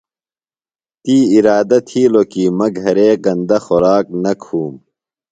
تی اِرادہ تھِیلوۡ کی مہ گھرے گندہ خوراک نہ کُھوم